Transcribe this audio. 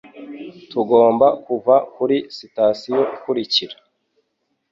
Tugomba kuva kuri sitasiyo ikurikira.